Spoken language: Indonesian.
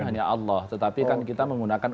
hanya allah tetapi kan kita menggunakan